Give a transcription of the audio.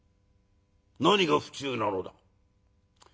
「何が不忠なのだ？」。